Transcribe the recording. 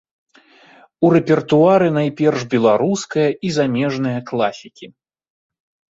У рэпертуары найперш беларуская і замежная класікі.